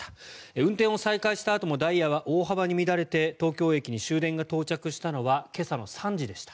運転を再開したあともダイヤは大幅に乱れて東京駅に終電が到着したのは今朝の３時でした。